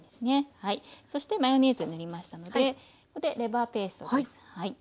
そしてマヨネーズ塗りましたのでここでレバーペーストです。